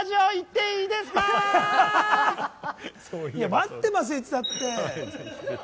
待ってますよ、いつだって。